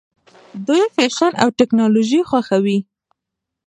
دوی فیشن او ټیکنالوژي خوښوي.